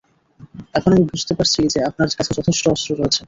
এখন আমি বুঝতে পারছি যে আপনার কাছে যথেষ্ট অস্ত্র রয়েছে।